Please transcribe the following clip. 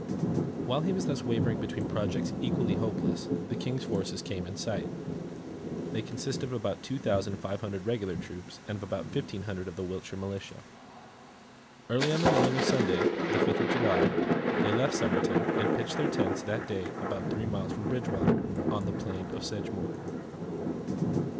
While he was thus wavering between projects equally hopeless, the King's forces came in sight. They consisted of about two thousand five hundred regular troops, and of about fifteen hundred of the Wiltshire militia. Early on the morning of Sunday, the fifth of July, they left Somerton, and pitched their tents that day about three miles from Bridgewater, on the plain of Sedgemoor.